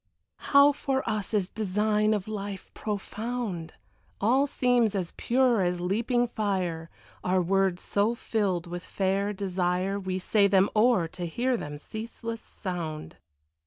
How for us is design of life profound! All seems as pure as leaping fire Our words so filled with fair desire We say them o'er to hear them ceaseless sound.